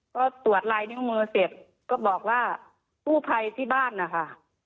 ก็ตรวจลายนิ้วมือเสร็จก็บอกว่ากู้ภัยที่บ้านนะคะ